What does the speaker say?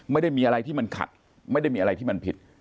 ไม่ได้มีอะไรที่มันขัดไม่ได้มีอะไรที่มันผิด